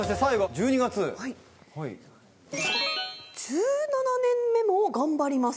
「１７年目もがんばります！」。